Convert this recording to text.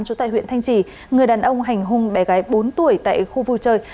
trú tại huyện thanh trì người đàn ông hành hung bé gái bốn tuổi tại khu vui chơi